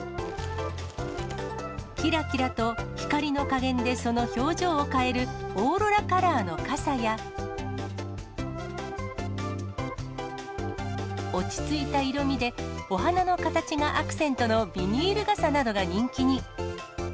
きらきらと光の加減でその表情を変えるオーロラカラーの傘や、落ち着いた色味で、お花の形がアクセントのビニール傘などが人気に。